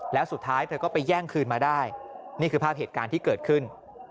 แล้วสุดท้ายเธอก็ไปแย่งคืนมาได้นี่คือภาพเหตุการณ์ที่เกิดขึ้น